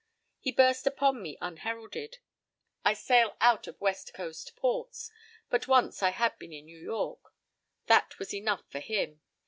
He burst upon me unheralded. I sail out of west coast ports, but once I had been in New York. That was enough for him.